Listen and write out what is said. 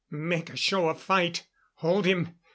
Make a show of fight! Hold him!